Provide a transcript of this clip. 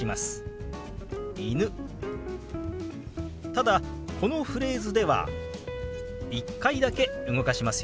ただこのフレーズでは１回だけ動かしますよ。